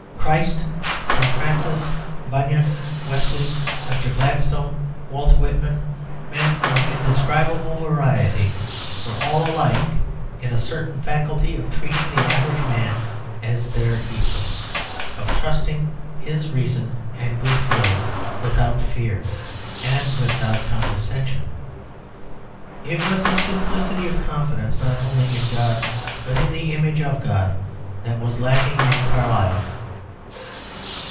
Christ, St. Francis, Bunyan, Wesley, Mr. Gladstone, Walt Whitman, men of indescribable variety, were all alike in a certain faculty of treating the average man as their equal, of trusting to his reason and good feeling without fear and without condescension. It was this simplicity of confidence, not only in God, but in the image of God, that was lacking in Carlyle.